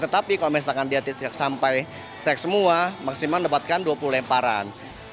tetapi kalau misalkan dia strike sampai strike semua maksimal mendapatkan dua puluh lemparan